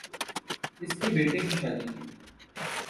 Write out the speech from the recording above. س کے بیٹے کی شادی تھی